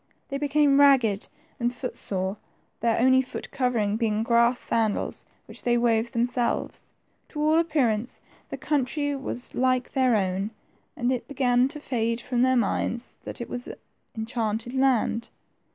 They became ragged and foot sore, their only foot covering being grass sandals, which they wove themselves. To all appearance the country was like their own, and it began to fade from their minds that it was enchanted land.